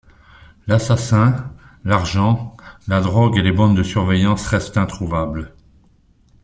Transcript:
L'assassin, l'argent, la drogue et les bandes de surveillance restent introuvables.